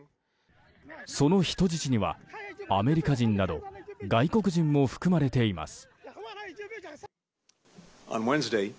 その人質にはアメリカ人など外国人も含まれています。